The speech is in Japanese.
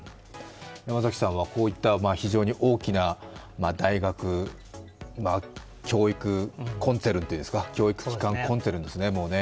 山崎さんはこういった非常に大きな教育、大学、教育機関コンツェルンですね。